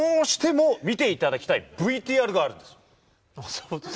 そうですか。